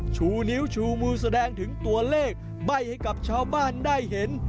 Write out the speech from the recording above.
ชูนิ้วชูมือแสดงถึงตัวเลขใบ้ให้กับชาวบ้านได้เห็น